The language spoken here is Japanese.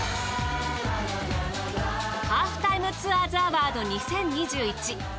ハーフタイムツアーズアワード２０２１。